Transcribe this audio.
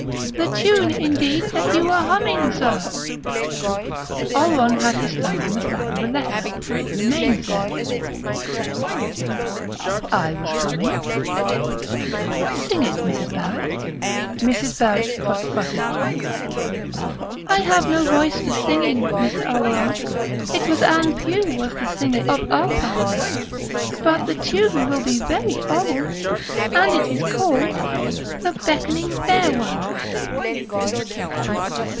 "The tune, indeed, that you was humming, sir." Oleron had his thumb in the flap of a letter. It remained there. "I was humming?... Sing it, Mrs. Barrett." Mrs. Barrett prut prutted. "I have no voice for singing, Mr. Oleron; it was Ann Pugh was the singer of our family; but the tune will be very o ald, and it is called 'The Beckoning Fair One.'"